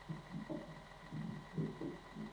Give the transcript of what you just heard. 政府驻地匡远街道。